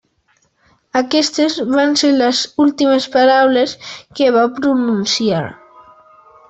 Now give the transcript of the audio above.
Aquestes van ser les últimes paraules que va pronunciar.